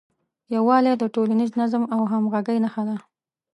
یووالی د ټولنیز نظم او همغږۍ نښه ده.